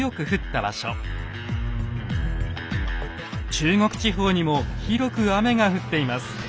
中国地方にも広く雨が降っています。